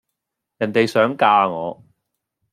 人地想嫁我